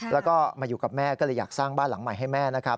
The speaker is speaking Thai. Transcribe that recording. แล้วก็มาอยู่กับแม่ก็เลยอยากสร้างบ้านหลังใหม่ให้แม่นะครับ